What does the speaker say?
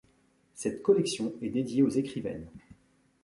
Cette collection est dédiée aux écrivaines.